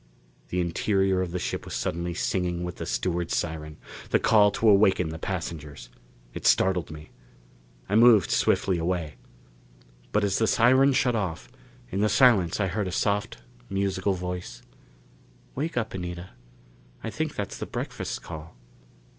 The interior of the ship was suddenly singing with the steward's siren the call to awaken the passengers. It startled me. I moved swiftly away. But as the siren shut off, in the silence I heard a soft, musical voice: "Wake up, Anita, I think that's the breakfast call."